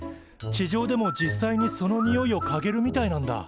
地上でも実際にそのにおいをかげるみたいなんだ。